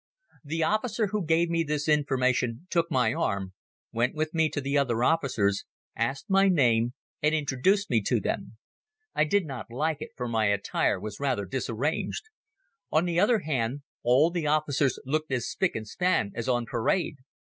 The officer who gave me this information took my arm, went with me to the other officers, asked my name and introduced me to them. I did not like it, for my attire was rather disarranged. On the other hand, all the officers looked as spic and span as on parade.